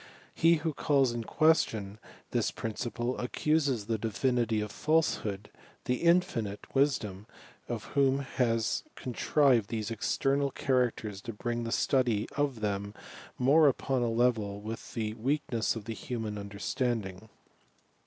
He who calls in question this principle, accuses the Divinity of falsehood, the infinite wisdom of whom ba« contrived these external characters to bring the study of them more upon a level with the weakness of ua human understanding.